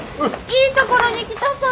いいところに来たさ−。